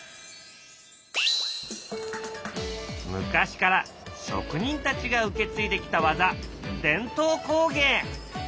昔から職人たちが受け継いできた技伝統工芸。